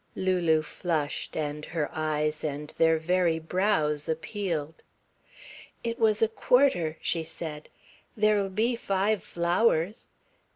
Lulu flushed, and her eyes and their very brows appealed. "It was a quarter," she said. "There'll be five flowers."